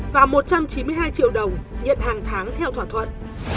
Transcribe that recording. và một trăm chín mươi hai triệu đồng nhận hàng tháng theo thỏa thuận